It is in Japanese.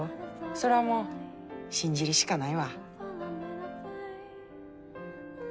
それはもう信じるしかないわ。